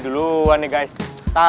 celah dari ini dari ceritanya